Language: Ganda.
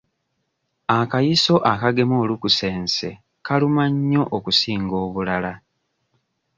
Akayiso akagema olukusense kaluma nnyo okusinga obulala.